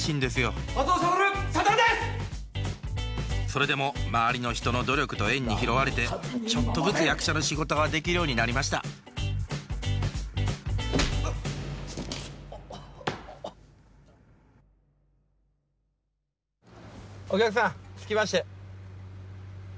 それでも周りの人の努力と縁に拾われてちょっとずつ役者の仕事ができるようになりましたお客さん着きましたよ。